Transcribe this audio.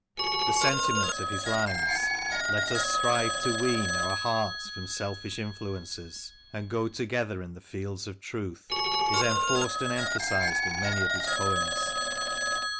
The sentiment of his lines, Let us strive to wean Our hearts from selfish influences, and go Together in the fields of Truth," is enforced and emphasised in many of his poems.